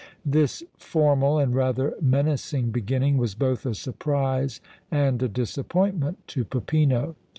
This formal and rather menacing beginning was both a surprise and a disappointment to Peppino.